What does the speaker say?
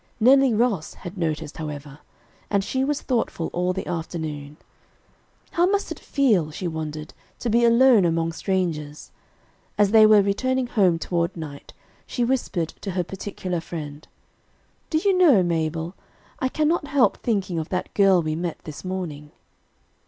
Nellie Ross had noticed, however, and she was thoughtful all the afternoon. How must it feel, she wondered, to be alone among strangers. As they were returning home toward night, she whispered to her particular friend: "Do you know, Mabel, I can not help thinking of that girl we met this morning."